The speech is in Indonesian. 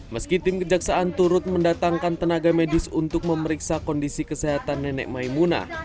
meski tim kejaksaan turut mendatangkan tenaga medis untuk memeriksa kondisi kesehatan nenek maimuna